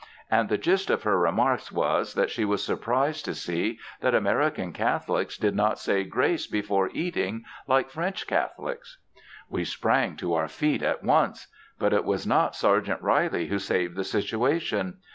And the gist of her remarks was that she was surprised to see that American Catholics did not say grace before eating like French Catholics. We sprang to our feet at once. But it was not Sergeant Reilly who saved the situation.